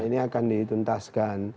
ini akan dituntaskan